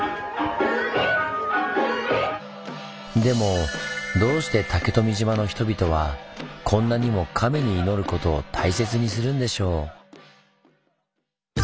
でもどうして竹富島の人々はこんなにも神に祈ることを大切にするんでしょう？